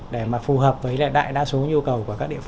để phù hợp với đại đa số nhu cầu